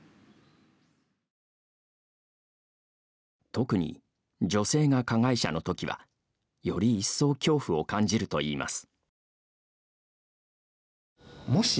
特に、女性が加害者のときはより一層恐怖を感じるといいます。